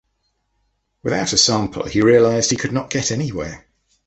Without a sample, he realised he could not get anywhere.